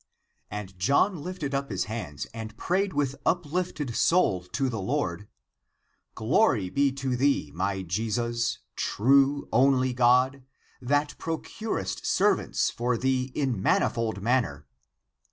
And John lifted up his hands and prayed with uplifted soul to the Lord :" Glory be to thee, my Jesus, true, only God, that procurest servants for thee in manifold manner!